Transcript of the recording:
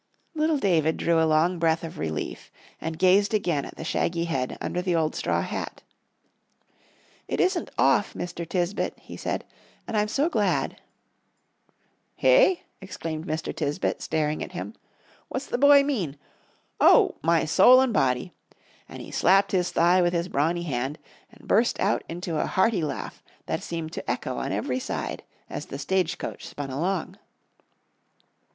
Little David drew a long breath of relief, and gazed again at the shaggy head under the old straw hat. "It isn't off, Mr. Tisbett," he said, "and I'm so glad." "Hey?" exclaimed Mr. Tisbett, staring at him. "What's the boy mean? Oh, my soul an' body!" And he slapped his thigh with his brawny hand, and burst out into a hearty laugh that seemed to echo on every side, as the stage coach spun along.